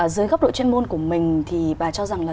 dưới góc độ chuyên môn của mình thì bà cho rằng là